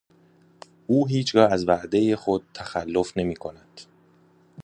او هیچگاه از وعدهُ خود تخلف نمیکند.